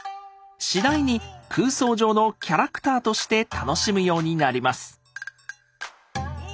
次第に空想上のキャラクターとして楽しむようになります。